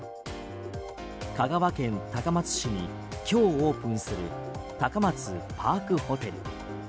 香川県高松市に今日オープンする高松パークホテル。